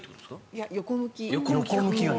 いや、横向き。